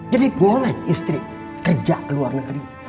jadi boleh istri kerja ke luar negeri